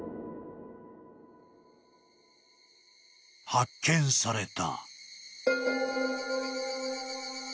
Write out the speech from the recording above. ［発見された］